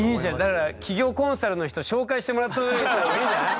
だから企業コンサルの人紹介してもらったほうがいいんじゃない。